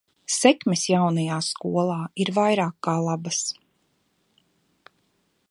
Sekmes jaunajā skolā ir vairāk kā labas.